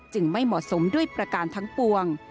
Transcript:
ไม่เหมาะสมด้วยประการทั้งปวง